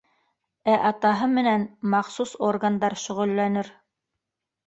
Ә атаһы менән махсус органдар шөғөлләнер.